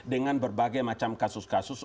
dengan berbagai macam kasus kasus